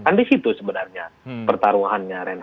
kan di situ sebenarnya pertaruhannya ren